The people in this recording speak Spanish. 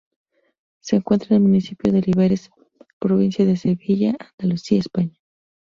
Se encuentra en el municipio de Olivares, provincia de Sevilla, Andalucía, España.